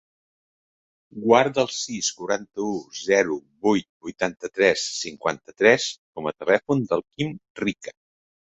Guarda el sis, quaranta-u, zero, vuit, vuitanta-tres, cinquanta-tres com a telèfon del Quim Rica.